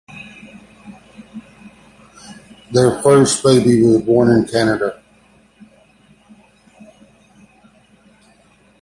Their first baby was born in Canada.